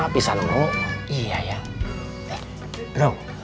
pengen jelas eh